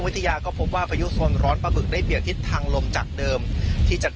ทยาก็พบว่าพายุโซนร้อนปลาบึกได้เบียดทิศทางลมจากเดิมที่จัด